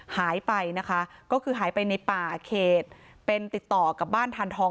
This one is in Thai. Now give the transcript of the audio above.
หายไปนะคะก็คือหายไปในป่าเขตเป็นติดต่อกับบ้านทานทอง